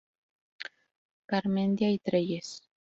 Garmendia y Trelles.